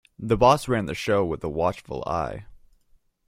The boss ran the show with a watchful eye.